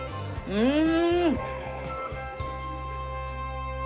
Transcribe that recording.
うん。